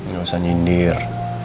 gak usah nyindir